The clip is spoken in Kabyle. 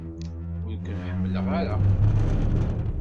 Ur ken-ḥemmleɣ ara!